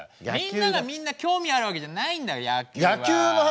みんながみんな興味あるわけじゃないんだ野球は。